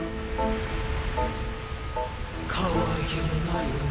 かわいげのない女。